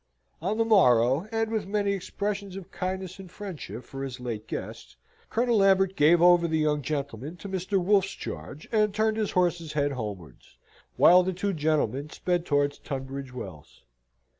On the morrow, and with many expressions of kindness and friendship for his late guest, Colonel Lambert gave over the young Virginian to Mr. Wolfe's charge, and turned his horse's head homewards, while the two gentlemen sped towards Tunbridge Wells.